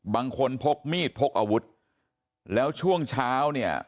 พกมีดพกอาวุธแล้วช่วงเช้าเนี่ย